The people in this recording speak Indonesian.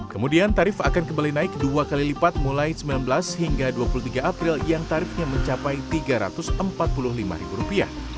kemudian tarif akan kembali naik dua kali lipat mulai sembilan belas hingga dua puluh tiga april yang tarifnya mencapai rp tiga ratus empat puluh lima